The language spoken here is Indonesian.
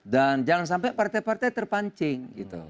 dan jangan sampai partai partai terpancing